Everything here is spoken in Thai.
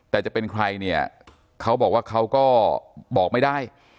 แต่จะเป็นใครเนี่ยเขาบอกว่าเขาก็บอกไม่ได้